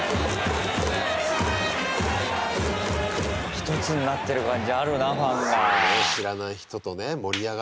一つになってる感じあるなファンが。